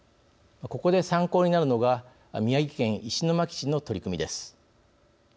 ここで参考になるのが宮城県石巻市の取り組みです。